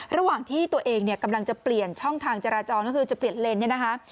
ระหว่างที่ตัวเองเนี่ยกำลังจะเปลี่ยนช่องทางจราจรก็คือจะเปลี่ยนเลนเนี่ยนะคะ